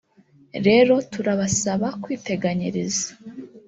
rero turabasaba kwiteganyiriza